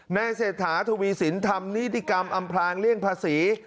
เศรษฐาทวีสินทำนิติกรรมอำพลางเลี่ยงภาษี